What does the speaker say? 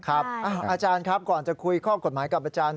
อาจารย์ครับก่อนจะคุยข้อกฎหมายกับอาจารย์